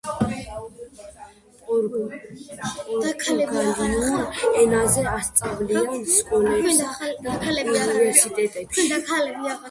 პორტუგალიურ ენაზე ასწავლიან სკოლებსა და უნივერსიტეტებში.